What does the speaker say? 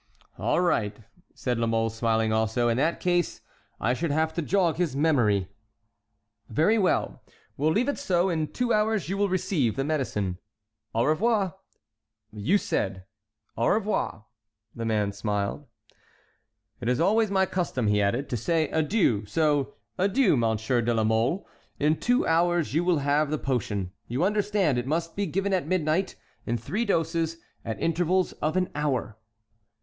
"All right," said La Mole, smiling also, "in that case I should have to jog his memory." "Very well, we'll leave it so. In two hours you will receive the medicine." "Au revoir!" "You said"— "Au revoir." The man smiled. "It is always my custom," he added, "to say adieu! So adieu, Monsieur de la Mole. In two hours you will have the potion. You understand, it must be given at midnight—in three doses—at intervals of an hour."